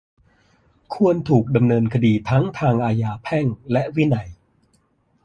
ควรถูกดำเนินคดีทั้งทางอาญา แพ่ง และวินัย